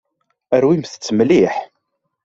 Rwimt-tt mliḥ.